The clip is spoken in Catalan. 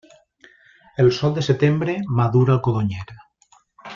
El sol de setembre madura el codonyer.